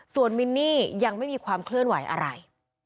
ส่วนมินนี่ยังไม่มีความเคลื่อนไหวอะไร